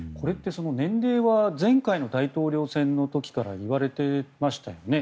年齢は前回の大統領選の時からいわれてましたよね。